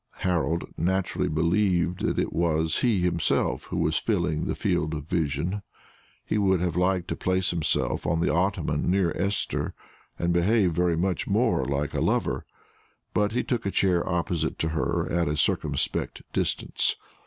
Harold naturally believed that it was he himself who was filling the field of vision. He would have liked to place himself on the ottoman near Esther, and behave very much more like a lover; but he took a chair opposite to her at a circumspect distance.